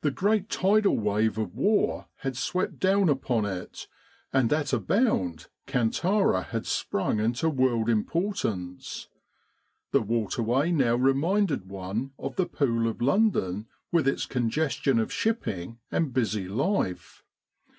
The great tidal wave of War had swept down upon it, and at a bound Kantara had sprung into world importance. The waterway now reminded one of the Pool of Lon don with its congestion of shipping and busy life.